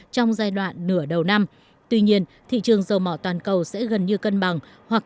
trong giai đoạn nửa đầu năm tuy nhiên thị trường dầu mỏ toàn cầu sẽ gần như cân bằng hoặc